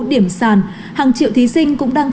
điểm sàn hàng triệu thí sinh cũng đang